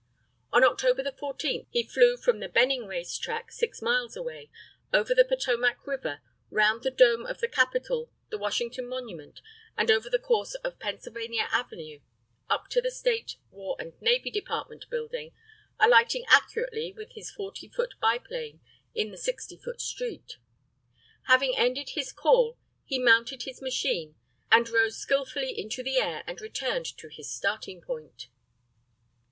On October 14th he flew from the Benning Race Track 6 miles away, over the Potomac River, around the dome of the Capitol, the Washington Monument, and over the course of Pennsylvania Avenue, up to the State, War, and Navy Department building, alighting accurately with his 40 foot biplane in the 60 foot street. Having ended his "call," he mounted his machine and rose skilfully into the air and returned to his starting point.